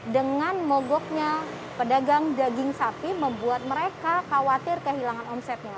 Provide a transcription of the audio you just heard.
dengan mogoknya pedagang daging sapi membuat mereka khawatir kehilangan omsetnya